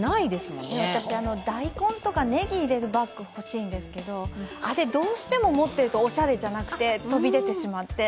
大根とかねぎを入れるバッグ欲しいんですけど、あれ、どうしても持ってるとおしゃれじゃなくて飛び出てしまって。